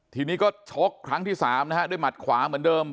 ทีนี้ก็ชกครั้งที่๓นะฮะด้วยหมัดขวาเหมือนเดิม